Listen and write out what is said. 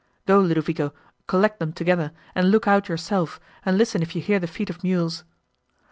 Go, Ludovico, collect them together, and look out yourself, and listen if you hear the feet of mules."